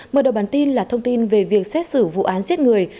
mở đầu bản tin là thông tin về việc xét xử vụ án giết người